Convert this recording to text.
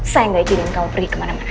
saya gak izinkan kamu pergi kemana mana